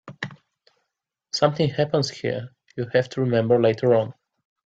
Something happens here you'll have to remember later on.